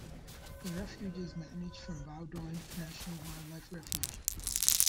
The refuge is managed from Bowdoin National Wildlife Refuge.